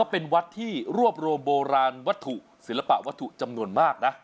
เป็นวัดที่รวบรวมโบราณวัตถุศิลปะวัตถุจำนวนมากนะ